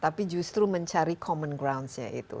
tapi justru mencari common grounds nya itu